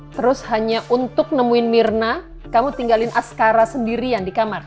terus hanya untuk nemuin mirna kamu tinggalin askara sendirian di kamar